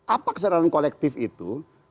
apa kesadaran kolektif itu